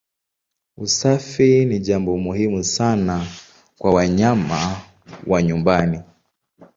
Usafi ni jambo muhimu sana kwa wanyama wa nyumbani.